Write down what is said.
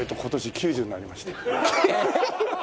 ７６になりました。